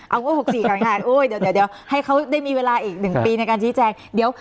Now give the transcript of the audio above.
เอาง่วม๖๔ก่อนค่ะโอ้โหเดี๋ยวให้เขาได้มีเวลาอีกหนึ่งปีในการชี้แจง